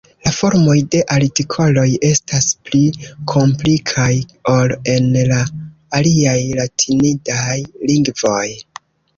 La formoj de artikoloj estas pli komplikaj ol en la aliaj latinidaj lingvoj.